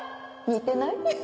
似てない？